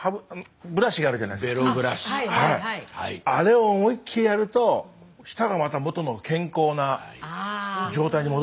あれを思いっきりやると舌がまた元の健康な状態に戻るんじゃないですか。